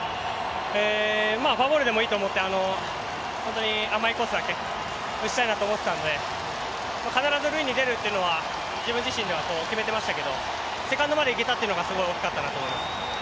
フォアボールでもいいと思って甘いコースだけ打ちたいなと思ったので、必ず塁に出るというのは自分自身ではもう決めてましたけどセカンドまで行けたというのがすごい大きかったなと思います。